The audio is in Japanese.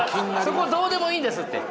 そこどうでもいいんですって。